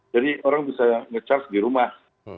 jadi orang bisa nge charge di rumah